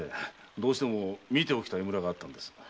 どうしても見ておきたい村があったんです。